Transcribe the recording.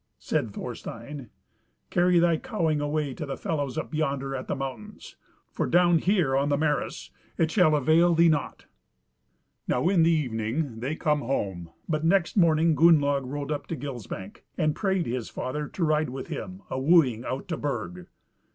Said Thorstein, "Carry thy cowing away to the fellows up yonder at the mountains; for down here, on the Meres, it shall avail thee nought." Now in the evening they come home; but next morning Gunnlaug rode up to Gilsbank, and prayed his father to ride with him a wooing out to Burg.